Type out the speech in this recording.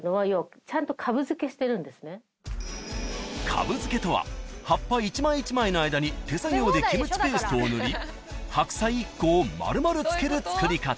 ［株漬けとは葉っぱ一枚一枚の間に手作業でキムチペーストを塗りハクサイ１個を丸々漬ける作り方］